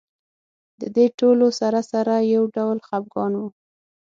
د دې ټولو سره سره یو ډول خپګان و.